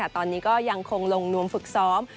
ตอนนี้ก็ยังคงลงนวมฝึกซ้อม